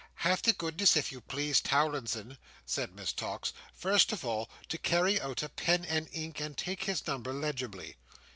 "Have the goodness, if you please, Towlinson," said Miss Tox, "first of all, to carry out a pen and ink and take his number legibly."